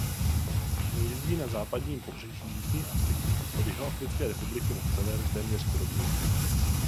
Hnízdí na západním pobřeží jižní Afriky od Jihoafrické republiky na sever téměř k rovníku.